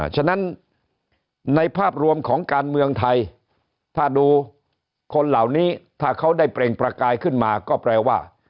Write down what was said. ฉะนั้นในภาพรวมของการเมืองไทยถ้าดูคนเหล่านี้ถ้าเขาได้เปล่งประกายขึ้นมาก็แปลว่า